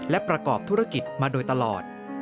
และประกอบธุรกิจมาโดยตลอด